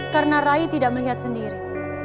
karena rai tidak melihat sendiri